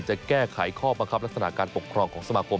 จะแก้ไขข้อบังคับลักษณะการปกครองของสมาคม